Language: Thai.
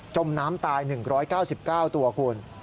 มน้ำตาย๑๙๙ตัวคุณ